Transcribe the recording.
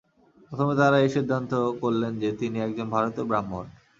প্রথমে তাঁরা এই সিদ্ধান্ত করলেন যে, তিনি একজন ভারতীয় ব্রাহ্মণ।